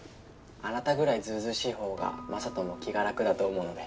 あなたぐらいずうずうしい方が雅人も気が楽だと思うので。